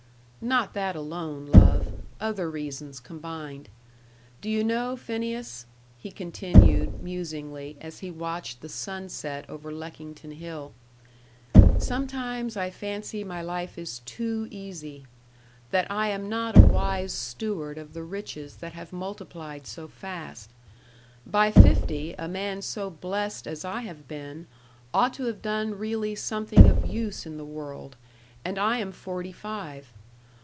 "Not that alone, love. Other reasons combined. Do you know, Phineas," he continued, musingly, as he watched the sun set over Leckington Hill "sometimes I fancy my life is too easy that I am not a wise steward of the riches that have multiplied so fast. By fifty, a man so blest as I have been, ought to have done really something of use in the world and I am forty five.